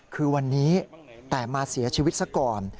คือวันนี้แต่มาเสียชีวิตซะก่อน